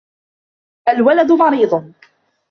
الْوَلَدُ مَرِيضٌ.